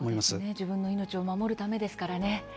自分の命を守るためですからね